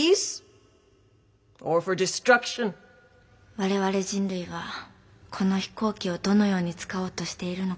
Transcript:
「我々人類はこの飛行機をどのように使おうとしているのか。